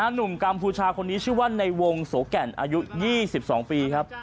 หนุ่มกัมพูชาคนนี้ชื่อว่าในวงโสแก่นอายุ๒๒ปีครับ